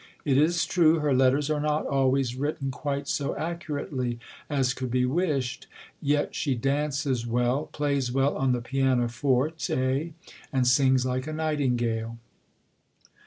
It is true, her letters are not always written quite so accurately as could be wished ; yet she dances well, plays well on the piano forte, and sings like a nightingale.